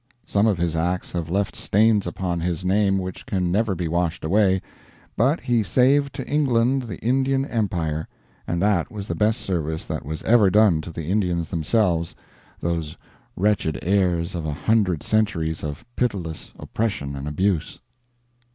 Some of his acts have left stains upon his name which can never be washed away, but he saved to England the Indian Empire, and that was the best service that was ever done to the Indians themselves, those wretched heirs of a hundred centuries of pitiless oppression and abuse.